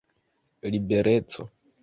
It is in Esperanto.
libereco